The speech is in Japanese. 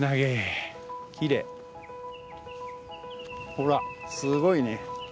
ほらすごいね。